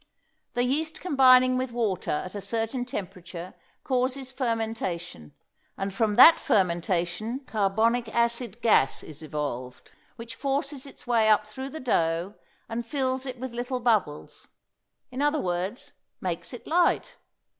The yeast combining with water at a certain temperature causes fermentation, and from that fermentation carbolic acid gas is evolved, which forces its way up through the dough and fills it with little bubbles, in other words, makes it light.